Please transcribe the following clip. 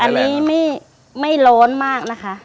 อันนี้ไม่ร้อนมากนะคะ